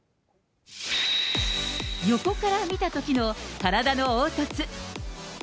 横から見たときの体の凹凸。